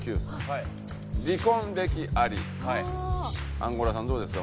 アンゴラさんどうですか？